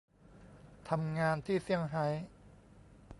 ทำงานที่ เซี่ยงไฮ้